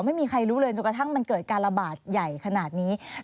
ไม่มีใครรู้เลยจนกระทั่งมันเกิดการระบาดใหญ่ขนาดนี้